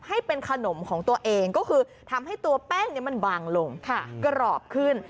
ให้เป็นขนมของตัวเองก็คือทำให้ตัวแป้งมันบางลงกรอบขึ้น